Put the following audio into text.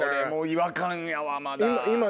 違和感やわまだ。